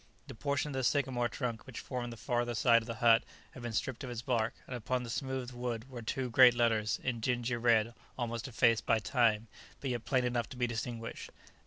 The portion of the sycamore trunk which formed the farther side of the hut had been stripped of its bark, and upon the smooth wood were two great letters in dingy red almost effaced by time, but yet plain enough to be distinguished.